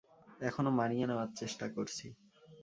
এখনও মানিয়ে নেওয়ার চেষ্টা করছি।